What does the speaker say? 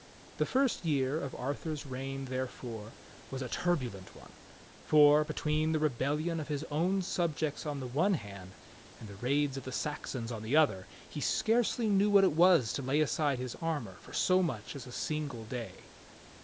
The first year of Arthur's reign, therefore, was a turbulent one; for, between the rebellion of his own subjects on the one hand, and the raids of the Saxons on the other, he scarcely knew what it was to lay aside his armor for so much as a single day.